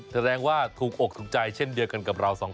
แสดงว่าถูกอกถูกใจเช่นเดียวกันกับเราสองคน